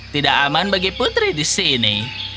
tidak aman bagi putri di sini